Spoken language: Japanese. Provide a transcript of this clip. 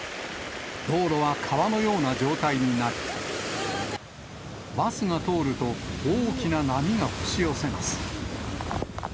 道路は川のような状態になり、バスが通ると、大きな波が押し寄せます。